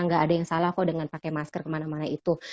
nggak ada yang salah kok dengan pakai masker kemana mana itu